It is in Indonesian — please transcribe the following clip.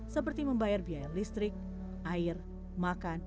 seperti membayar biaya listrik air makan